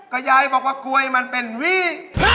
ก็ย้ายว่ากล้วยมันเป็นวี